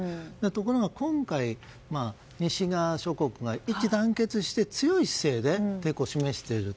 ところが今回、西側諸国が一致団結して強い姿勢で抵抗を示している。